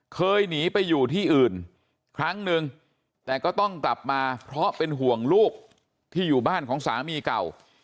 เคยหนีไปอยู่ที่อื่นครั้งนึงแต่ก็ต้องกลับมาเพราะเป็นห่วงลูกที่อยู่บ้านของสามีเก่า